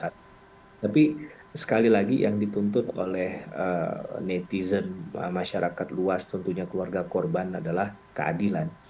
tapi sekali lagi yang dituntut oleh netizen masyarakat luas tentunya keluarga korban adalah keadilan